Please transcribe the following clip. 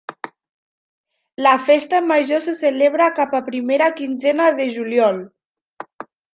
La festa major se celebra cap a primera quinzena de juliol.